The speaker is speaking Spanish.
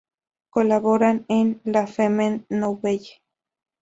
Colabora en "La Femme Nouvelle".